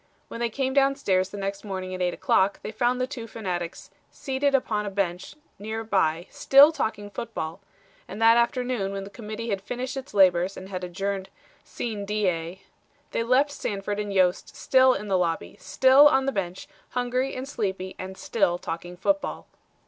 When they came down stairs the next morning at eight o'clock they found the two fanatics seated upon a bench nearby still talking football, and that afternoon when the Committee had finished its labors and had adjourned sine die they left Sanford and Yost still in the lobby, still on the bench, hungry and sleepy and still talking football."